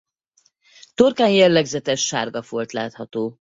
Torkán jellegzetes sárga folt látható.